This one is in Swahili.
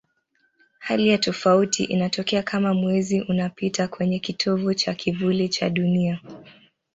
Hali ya tofauti inatokea kama Mwezi unapita kwenye kitovu cha kivuli cha Dunia.